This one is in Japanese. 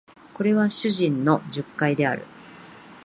これは主人の述懐である